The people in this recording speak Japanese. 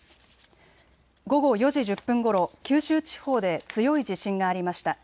午後４時１０分ごろ、九州地方で強い地震がありました。